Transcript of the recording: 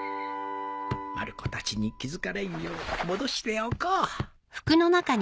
まる子たちに気付かれんよう戻しておこう